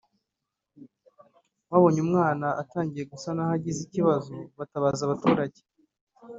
Babonye umwana atangiye gusa naho agize ikibazo batabaza abaturage